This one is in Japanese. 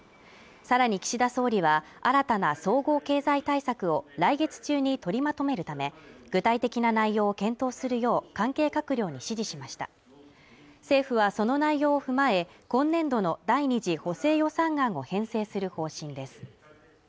さらに岸田総理は新たな総合経済対策を来月中に取りまとめるため具体的な内容を検討するよう関係閣僚に指示しました政府はその内容を踏まえ今年度の第２次補正予算案を編成する方針です